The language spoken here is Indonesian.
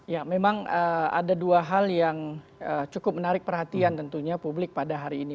ya memang ada dua hal yang cukup menarik perhatian tentunya publik pada hari ini